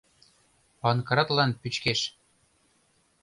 Панкратлан пӱчкеш!..